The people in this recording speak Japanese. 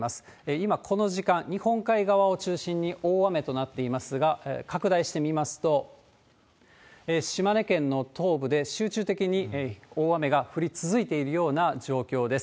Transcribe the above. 今、この時間、日本海側を中心に大雨となっていますが、拡大して見ますと、島根県の東部で集中的に大雨が降り続いているような状況です。